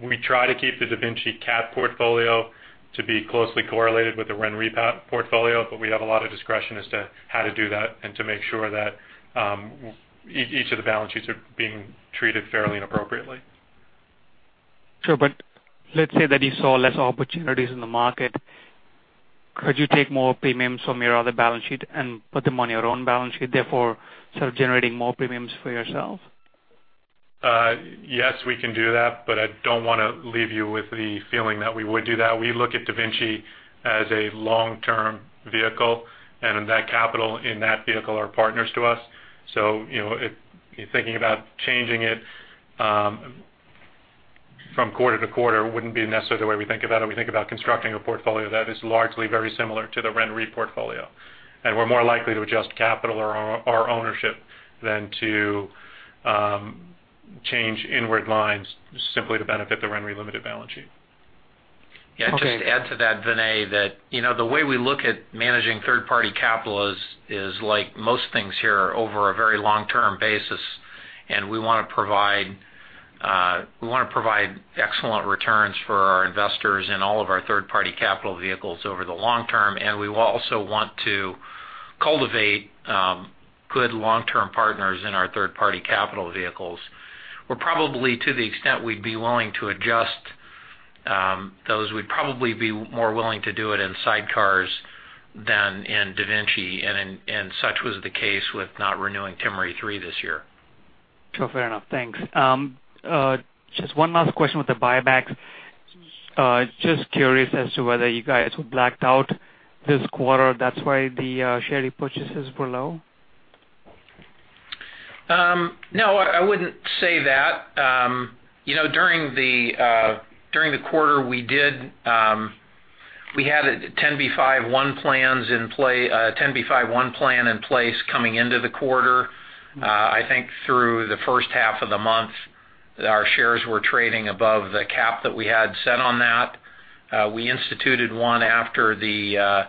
We try to keep the DaVinci cat portfolio to be closely correlated with the RenRe portfolio, but we have a lot of discretion as to how to do that and to make sure that each of the balance sheets are being treated fairly and appropriately. Sure. Let's say that you saw less opportunities in the market. Could you take more premiums from your other balance sheet and put them on your own balance sheet, therefore generating more premiums for yourself? Yes, we can do that, I don't want to leave you with the feeling that we would do that. We look at DaVinci as a long-term vehicle, and that capital in that vehicle are partners to us. Thinking about changing it from quarter to quarter wouldn't be necessarily the way we think about it. We think about constructing a portfolio that is largely very similar to the RenRe portfolio. We're more likely to adjust capital or our ownership than to change inward lines simply to benefit the RenRe Limited balance sheet. Yeah. Just to add to that, Vinay, the way we look at managing third-party capital is like most things here, over a very long-term basis. We want to provide excellent returns for our investors in all of our third-party capital vehicles over the long term. We also want to cultivate good long-term partners in our third-party capital vehicles. To the extent we'd be willing to adjust those, we'd probably be more willing to do it in sidecars than in DaVinci, and such was the case with not renewing Tim Re III this year. Sure. Fair enough. Thanks. Just one last question with the buybacks. Just curious as to whether you guys were blacked out this quarter, that's why the share repurchases were low? No, I wouldn't say that. During the quarter, we had a 10b5-1 plan in place coming into the quarter. I think through the first half of the month, our shares were trading above the cap that we had set on that. We instituted one after the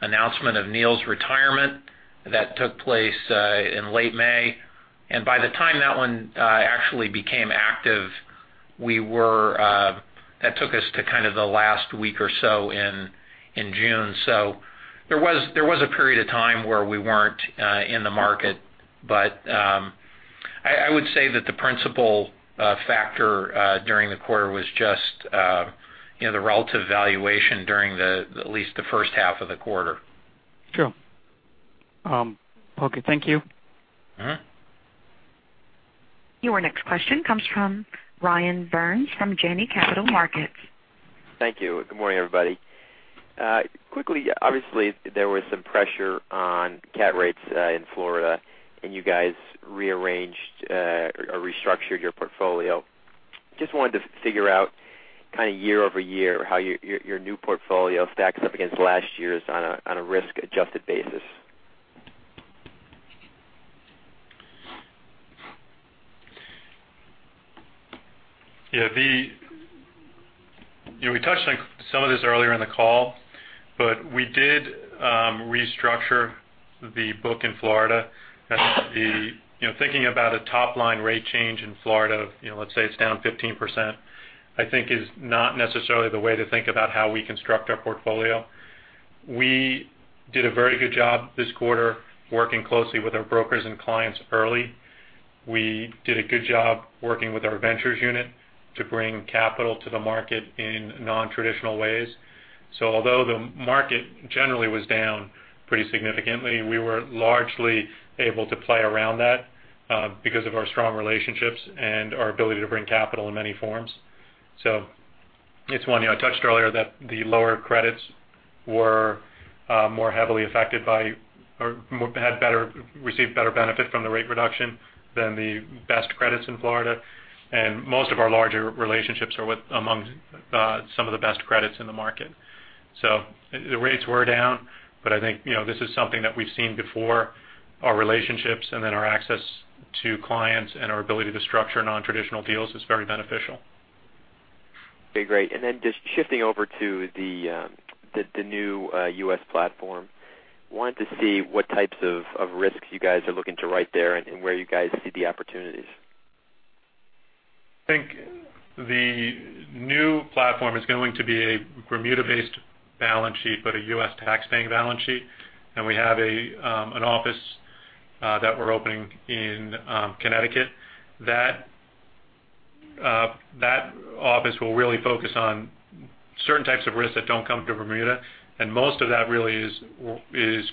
announcement of Neill's retirement that took place in late May. By the time that one actually became active, that took us to kind of the last week or so in June. There was a period of time where we weren't in the market. I would say that the principal factor during the quarter was just the relative valuation during at least the first half of the quarter. Sure. Okay. Thank you. Your next question comes from Ryan Byrnes from Janney Capital Markets. Thank you. Good morning, everybody. Quickly, obviously, there was some pressure on cat rates in Florida and you guys rearranged or restructured your portfolio. Just wanted to figure out kind of year-over-year how your new portfolio stacks up against last year's on a risk-adjusted basis. Yeah. We touched on some of this earlier in the call. We did restructure the book in Florida. Thinking about a top-line rate change in Florida of, let's say it's down 15%, I think is not necessarily the way to think about how we construct our portfolio. We did a very good job this quarter working closely with our brokers and clients early. We did a good job working with our ventures unit to bring capital to the market in non-traditional ways. Although the market generally was down pretty significantly, we were largely able to play around that because of our strong relationships and our ability to bring capital in many forms. It's one I touched earlier, that the lower credits were more heavily affected by or received better benefit from the rate reduction than the best credits in Florida. Most of our larger relationships are amongst some of the best credits in the market. The rates were down, but I think this is something that we've seen before. Our relationships and then our access to clients and our ability to structure non-traditional deals is very beneficial. Okay, great. Just shifting over to the new U.S. platform. Wanted to see what types of risks you guys are looking to right there and where you guys see the opportunities. I think the new platform is going to be a Bermuda-based balance sheet, but a U.S. taxpaying balance sheet. We have an office that we're opening in Connecticut. That office will really focus on certain types of risks that don't come to Bermuda, and most of that really is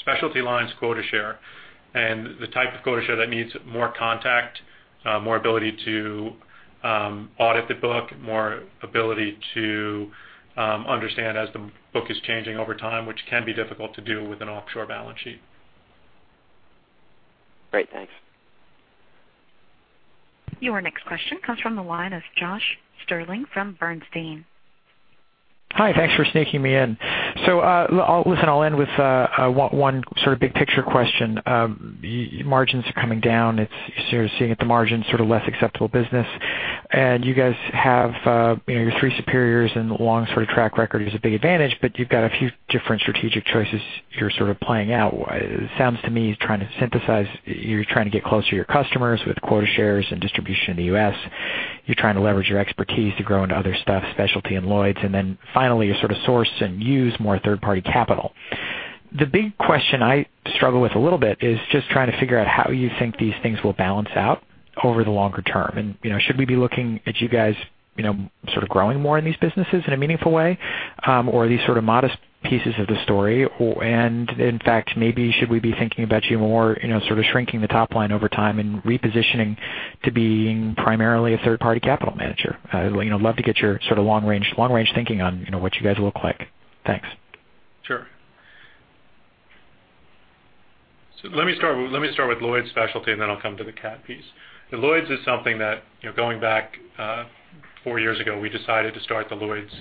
specialty lines quota share, and the type of quota share that needs more contact, more ability to audit the book, more ability to understand as the book is changing over time, which can be difficult to do with an offshore balance sheet. Great. Thanks. Your next question comes from the line of Josh Stirling from Bernstein. Hi, thanks for sneaking me in. Listen, I'll end with one sort of big picture question. Margins are coming down. You're seeing at the margin sort of less acceptable business. You guys have your three pillars and the long sort of track record is a big advantage, but you've got a few different strategic choices you're sort of playing out. It sounds to me you're trying to synthesize, you're trying to get close to your customers with quota shares and distribution in the U.S. You're trying to leverage your expertise to grow into other stuff, specialty and Lloyd's, and then finally, you sort of source and use more third-party capital. The big question I struggle with a little bit is just trying to figure out how you think these things will balance out over the longer term. Should we be looking at you guys sort of growing more in these businesses in a meaningful way? Are these sort of modest pieces of the story, and in fact, maybe should we be thinking about you more sort of shrinking the top line over time and repositioning to being primarily a third-party capital manager? I'd love to get your sort of long range thinking on what you guys look like. Thanks. Sure. Let me start with Lloyd's Specialty and then I'll come to the cat piece. Lloyd's is something that going back four years ago, we decided to start the Lloyd's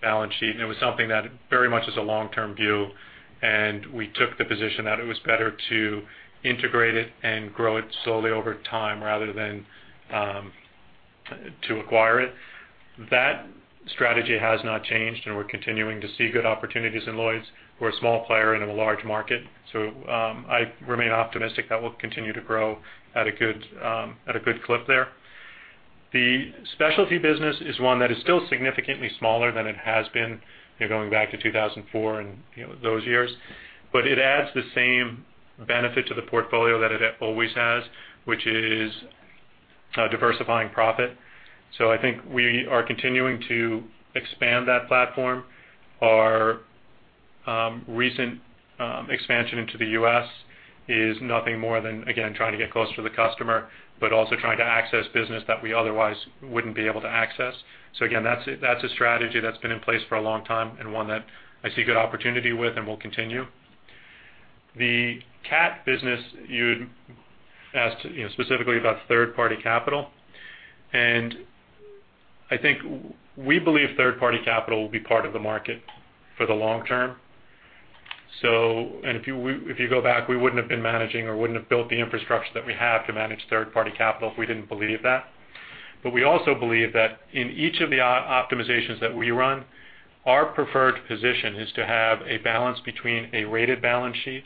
balance sheet, and it was something that very much is a long-term view, and we took the position that it was better to integrate it and grow it slowly over time rather than to acquire it. That strategy has not changed, and we're continuing to see good opportunities in Lloyd's. We're a small player in a large market, I remain optimistic that we'll continue to grow at a good clip there. The specialty business is one that is still significantly smaller than it has been going back to 2004 and those years. It adds the same benefit to the portfolio that it always has, which is diversifying profit. I think we are continuing to expand that platform. Our recent expansion into the U.S. is nothing more than, again, trying to get closer to the customer, but also trying to access business that we otherwise wouldn't be able to access. Again, that's a strategy that's been in place for a long time and one that I see good opportunity with and will continue. The cat business, you asked specifically about third-party capital, I think we believe third-party capital will be part of the market for the long term. If you go back, we wouldn't have been managing or wouldn't have built the infrastructure that we have to manage third-party capital if we didn't believe that. We also believe that in each of the optimizations that we run, our preferred position is to have a balance between a rated balance sheet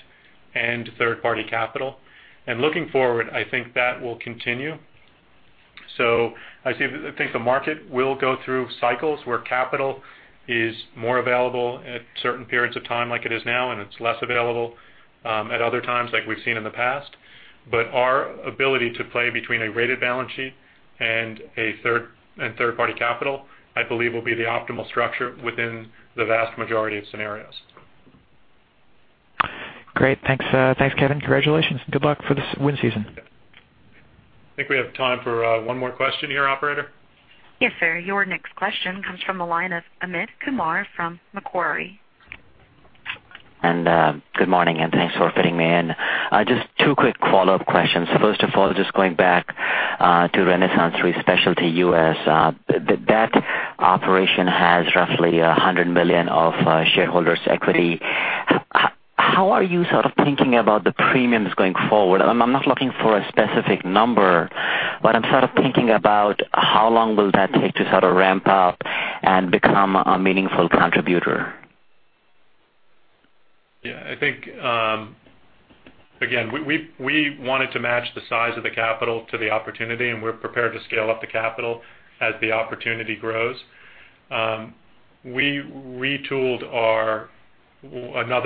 and third-party capital. Looking forward, I think that will continue. I think the market will go through cycles where capital is more available at certain periods of time, like it is now, and it's less available at other times, like we've seen in the past. Our ability to play between a rated balance sheet and third-party capital, I believe, will be the optimal structure within the vast majority of scenarios. Great. Thanks Kevin. Congratulations. Good luck for this wind season. I think we have time for one more question here, operator. Yes, sir. Your next question comes from the line of Amit Kumar from Macquarie. Good morning, and thanks for fitting me in. Just two quick follow-up questions. First of all, just going back to RenaissanceRe Specialty U.S.. That operation has roughly $100 million of shareholders' equity. How are you sort of thinking about the premiums going forward? I'm not looking for a specific number, but I'm sort of thinking about how long will that take to sort of ramp up and become a meaningful contributor? I think, again, we wanted to match the size of the capital to the opportunity, and we're prepared to scale up the capital as the opportunity grows. We retooled another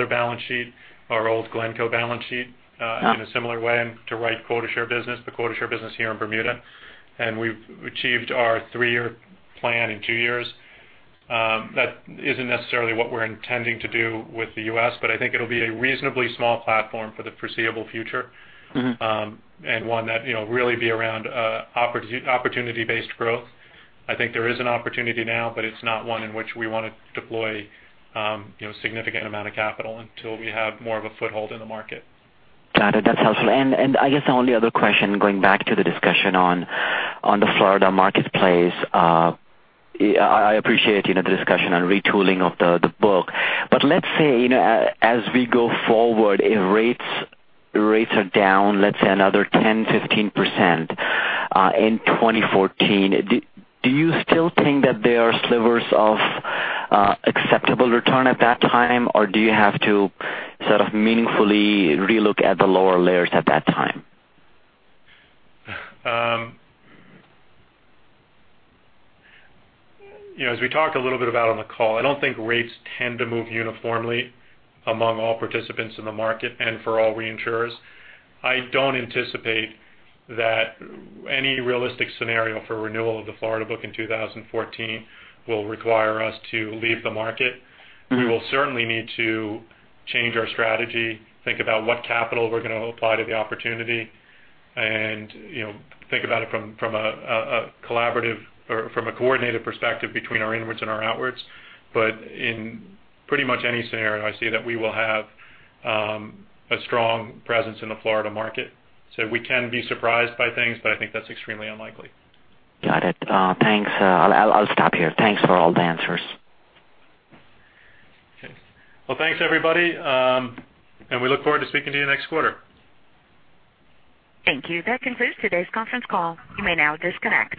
balance sheet, our old Glencoe Re balance sheet, in a similar way to write quota share business, the quota share business here in Bermuda, and we've achieved our three-year plan in two years. That isn't necessarily what we're intending to do with the U.S., but I think it'll be a reasonably small platform for the foreseeable future. One that really be around opportunity-based growth. I think there is an opportunity now, but it's not one in which we want to deploy significant amount of capital until we have more of a foothold in the market. Got it. That's helpful. I guess the only other question, going back to the discussion on the Florida marketplace. I appreciate the discussion on retooling of the book. Let's say, as we go forward, if rates are down, let's say another 10%-15% in 2014, do you still think that there are slivers of acceptable return at that time? Do you have to sort of meaningfully re-look at the lower layers at that time? As we talked a little bit about on the call, I don't think rates tend to move uniformly among all participants in the market and for all reinsurers. I don't anticipate that any realistic scenario for renewal of the Florida book in 2014 will require us to leave the market. We will certainly need to change our strategy, think about what capital we're going to apply to the opportunity, and think about it from a collaborative or from a coordinated perspective between our inwards and our outwards. In pretty much any scenario, I see that we will have a strong presence in the Florida market. We can be surprised by things, but I think that's extremely unlikely. Got it. Thanks. I'll stop here. Thanks for all the answers. Okay. Well, thanks, everybody, and we look forward to speaking to you next quarter. Thank you. That concludes today's conference call. You may now disconnect.